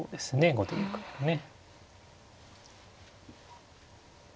後手玉はね。